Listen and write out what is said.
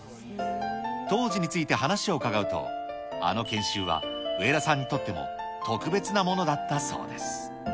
当時について話を伺うと、あの研修は、植田さんにとっても特別なものだったそうです。